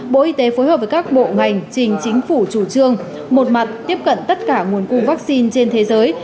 bộ y tế phối hợp với các bộ ngành trình chính phủ chủ trương một mặt tiếp cận tất cả nguồn cung vaccine trên thế giới